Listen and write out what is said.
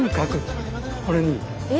これに？